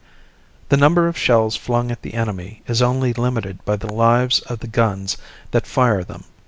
The number of shells flung at the enemy is only limited by the lives of the guns that fire them.